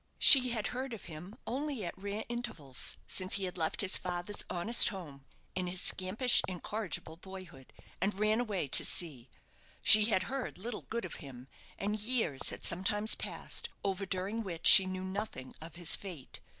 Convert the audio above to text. She had heard of him only at rare intervals since he had left his father's honest home, in his scampish, incorrigible boyhood, and ran away to sea. She had heard little good of him, and years had sometimes passed over during which she knew nothing of his fate.